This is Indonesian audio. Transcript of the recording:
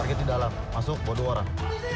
target di dalam masuk bawa dua orang